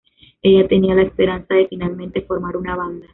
Ella tenía la esperanza de finalmente formar una banda.